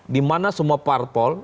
dimana semua partpol